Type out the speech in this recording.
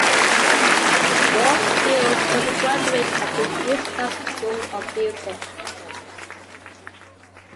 Warfield was a graduate of the Eastman School of Music.